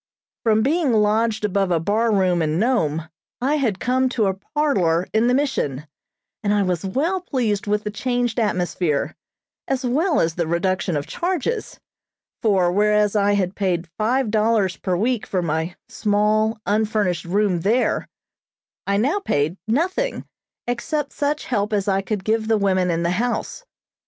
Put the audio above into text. From being lodged above a bar room in Nome, I had come to a parlor in the Mission, and I was well pleased with the changed atmosphere, as well as the reduction of charges; for, whereas I had paid five dollars per week for my small, unfurnished room there, I now paid nothing, except such help as I could give the women in the house.